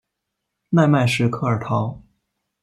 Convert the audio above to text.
奈迈什科尔陶。